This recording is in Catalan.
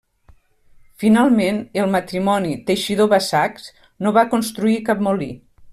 Finalment, el matrimoni Teixidor-Bassacs no va construir cap molí.